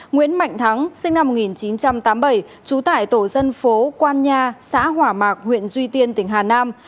nguyễn mạnh thắng sinh năm một nghìn chín trăm tám mươi bảy trú tại tổ dân phố quan nha xã hỏa mạc huyện duy tiên tỉnh hà nam